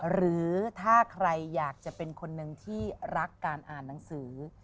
หรือถ้าใครอยากจะเป็นคนหนึ่งที่รักการอ่านหนังสือ